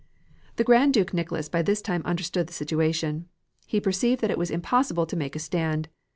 The Grand Duke Nicholas by this time understood the situation. He perceived that it was impossible to make a stand.